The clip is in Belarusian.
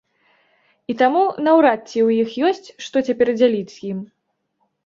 І таму, наўрад ці у іх ёсць, што цяпер дзяліць з ім.